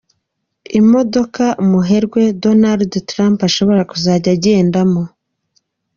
y'imodoka, umuherwe Donald Trump ashobora kuzajya agendamo.